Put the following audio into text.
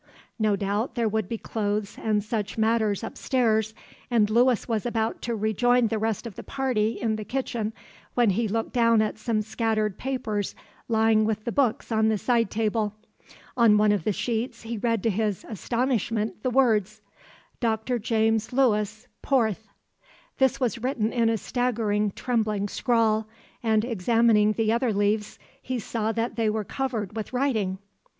No doubt there would be clothes and such matters upstairs, and Lewis was about to rejoin the rest of the party in the kitchen, when he looked down at some scattered papers lying with the books on the side table. On one of the sheets he read to his astonishment the words: "Dr. James Lewis, Porth." This was written in a staggering trembling scrawl, and examining the other leaves he saw that they were covered with writing.